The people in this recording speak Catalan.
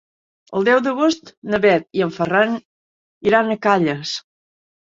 El deu d'agost na Bet i en Ferran iran a Calles.